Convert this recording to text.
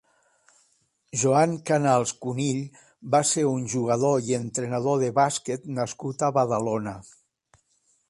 Joan Canals Cunill va ser un jugador i entrenador de bàsquet nascut a Badalona.